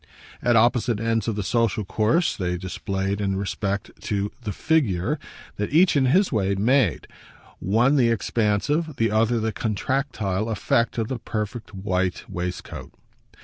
At opposite ends of the social course, they displayed, in respect to the "figure" that each, in his way, made, one the expansive, the other the contractile effect of the perfect white waistcoat.